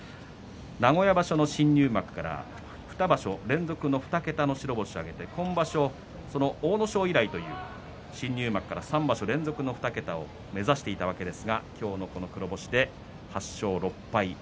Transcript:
名古屋場所の新入幕から２場所連続２桁の白星を挙げて今場所、阿武咲以来という新入幕から３場所連続の２桁を目指していたわけですが今日の黒星で８勝６敗。